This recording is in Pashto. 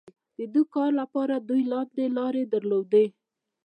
د دې کار لپاره دوی لاندې لارې درلودې.